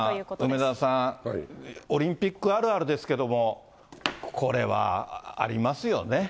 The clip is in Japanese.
梅沢さん、オリンピックあるあるですけれども、これはありますよね。